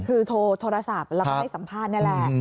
คือโทรศัพท์เรากำลังให้สัมภาษณ์นั่นแหละ